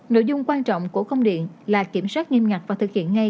nội dung quan trọng của công điện là kiểm soát nghiêm ngặt và thực hiện ngay